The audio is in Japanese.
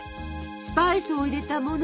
スパイスを入れたもの